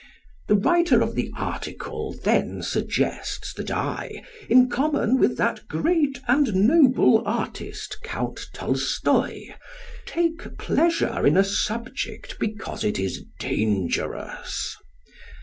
The writer of the article then suggests that I, in common with that great and noble artist Count Tolstoi, take pleasure in a subject because it is dangerous.